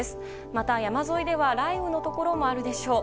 また、山沿いでは雷雨のところもあるでしょう。